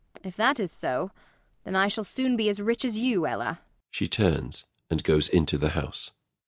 ] If that is so, then I shall soon be as rich as you, Ella. [She turns and goes into the house.